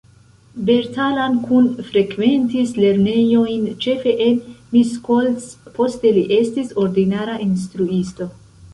Bertalan Kun frekventis lernejojn ĉefe en Miskolc, poste li estis ordinara instruisto.